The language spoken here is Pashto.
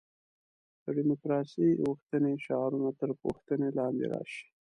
د دیموکراسي غوښتنې شعارونه تر پوښتنې لاندې راشي.